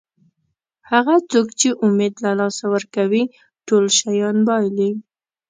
هغه څوک چې امید له لاسه ورکوي ټول شیان بایلي.